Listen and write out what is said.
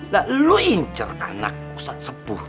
lu incer anak ustadz sepuh